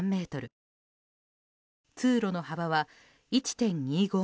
通路の幅は１．２５ｍ。